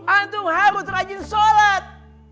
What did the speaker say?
antum harus rajin sholat